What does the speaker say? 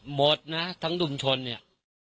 หมดนะทั้งดุมชนเนี่ย